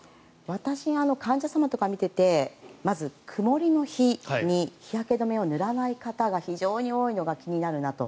私が患者様とか見ていてまず、曇りの日に日焼け止めを塗らない方が非常に多いのが気になると。